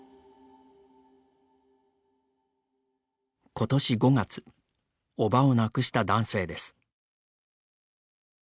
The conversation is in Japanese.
ことし５月おばを亡くした男性です。